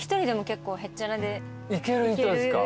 行ける人ですか？